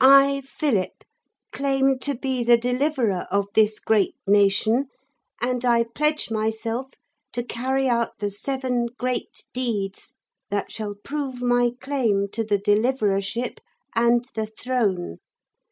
'I, Philip, claim to be the Deliverer of this great nation, and I pledge myself to carry out the seven great deeds that shall prove my claim to the Deliverership and the throne.